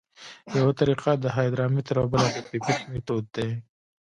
یوه طریقه د هایدرامتر او بله د پیپیټ میتود دی